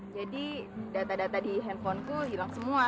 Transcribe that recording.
jadi data data di handphoneku hilang semua